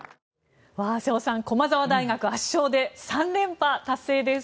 瀬尾さん、駒澤大学圧勝で３連覇達成です。